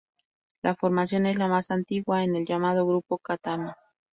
La formación es la más antigua en el llamado Grupo Chatham.